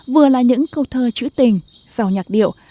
vừa là những câu thơ chữ tình dò nhạc điệu